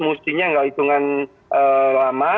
mustinya tidak hitungan lama